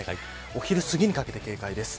お昼すぎにかけて警戒です。